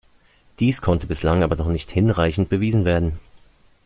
Dies konnte bislang aber noch nicht hinreichend bewiesen werden.